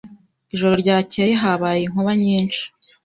Ijoro ryakeye habaye inkuba nyinshi.